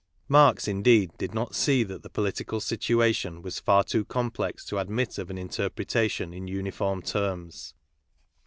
Marx, indeed, did not see that the political situation was far too complex to admit of an interpretation in uniform terms.